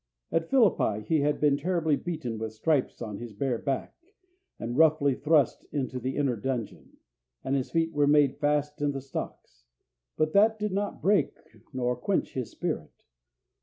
At Philippi he had been terribly beaten with stripes on his bare back, and roughly thrust into the inner dungeon, and his feet were made fast in the stocks; but that did not break nor quench his spirit.